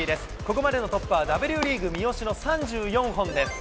ここまでのトップは、Ｗリーグ三好の３４本です。